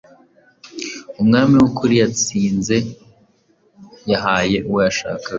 umwami wukuri watsinze yahaye uwo yashakaga